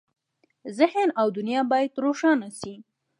ذهن او دنیا باید روښانه شي.